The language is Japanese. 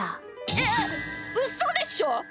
えっうそでしょ！？